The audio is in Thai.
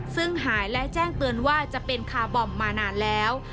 ซึ่งหายและแจ้งเตือนว่าจะเป็นคาร์บอมมานานแล้ว